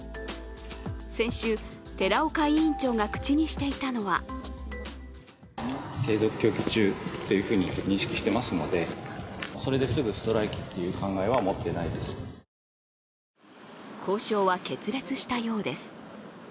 先週、寺岡委員長が口にしていたのは交渉は決裂したようです。